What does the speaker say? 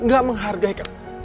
gak menghargai kamu